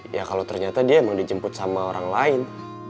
ya kalau ternyata dia emang dijemput sama orang lain